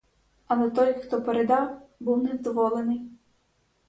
Але той, хто передав, був невдоволений.